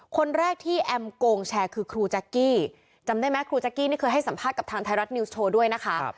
คนแรกที่แอมโกงแชร์คือครูแจ๊กกี้จำได้ไหมครูแจ๊กกี้นี่เคยให้สัมภาษณ์กับทางไทยรัฐนิวส์โชว์ด้วยนะคะ